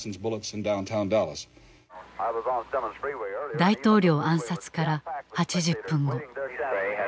大統領暗殺から８０分後。